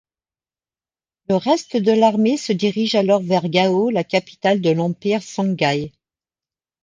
Le reste de l'armée se dirige alors vers Gao, la capitale de l'Empire songhaï.